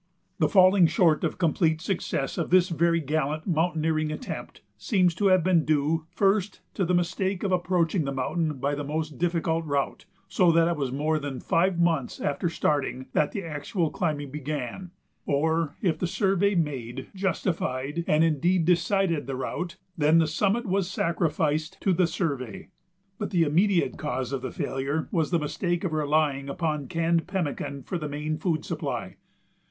The falling short of complete success of this very gallant mountaineering attempt seems to have been due, first to the mistake of approaching the mountain by the most difficult route, so that it was more than five months after starting that the actual climbing began; or, if the survey made justified, and indeed decided, the route, then the summit was sacrificed to the survey. But the immediate cause of the failure was the mistake of relying upon canned pemmican for the main food supply.